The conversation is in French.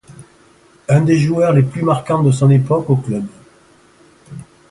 Un des joueurs les plus marquants de son époque au club.